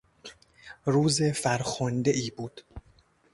روز فرخندهای بود.